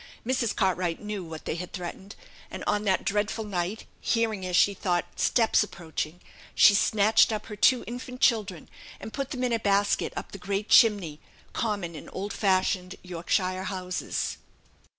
Mrs. Cartwright knew what they had threatened; and on that dreadful night, hearing, as she thought, steps approaching, she snatched up her two infant children, and put them in a basket up the great chimney, common in old fashioned Yorkshire houses.